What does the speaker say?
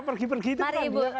pergi pergi itu kan dia kayaknya